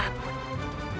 jangan salahkan aku